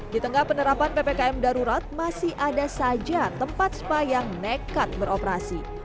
di tengah penerapan ppkm darurat masih ada saja tempat spa yang nekat beroperasi